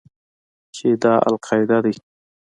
چې دا القاعده دى.